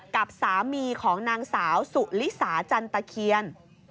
กับสามีของนางสาวสุลิสาจันตะเคียน